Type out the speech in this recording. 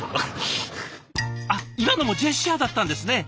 あっ今のもジェスチャーだったんですね。